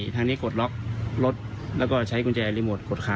มันจะกดไม่ติดนะครับ